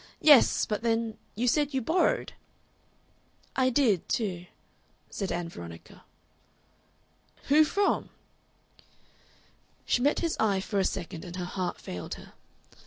Yes, but then you said you borrowed?" "I did, too," said Ann Veronica. "Who from?" She met his eye for a second and her heart failed her.